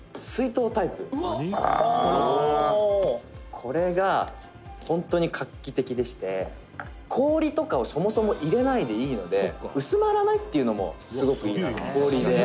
「これが本当に画期的でして氷とかをそもそも入れないでいいので薄まらないっていうのもすごくいい氷で」